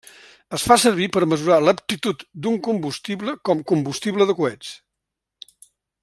Es fa servir per mesurar l'aptitud d'un combustible com combustible de coets.